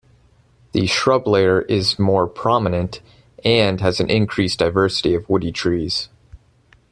The shrub layer is more prominent and has an increased diversity of woody trees.